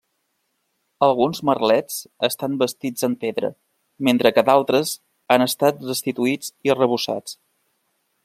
Alguns merlets estan bastits en pedra, mentre que d'altres han estat restituïts i arrebossats.